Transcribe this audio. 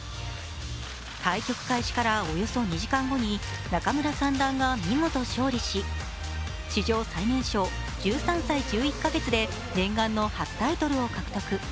対局開始からおよそ２時間後に、仲邑三段が、見事勝利し史上最年少１３歳１１か月で念願の初タイトルを獲得。